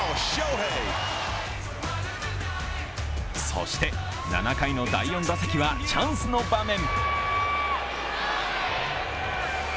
そして７回の第４打席はチャンスの場面。